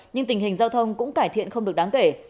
nhưng tình hình giao thông cũng cải thiện không được đáng kể